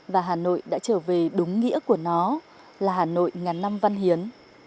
và hà nội đã trở về đúng nghĩa của nó là hà nội ngàn năm văn hiến